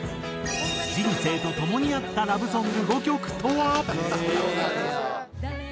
人生とともにあったラブソング５曲とは？